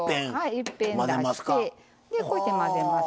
いっぺん出してこうやって混ぜます。